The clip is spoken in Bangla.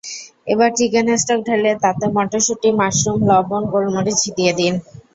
এবার চিকেন স্টক ঢেলে তাতে মটরশুঁটি, মাশরুম, লবণ, গোলমরিচ দিয়ে দিন।